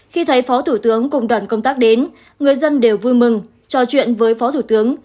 khi thấy phó thủ tướng cùng đoàn công tác đến người dân đều vui mừng trò chuyện với phó thủ tướng